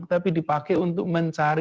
tapi dipakai untuk mencari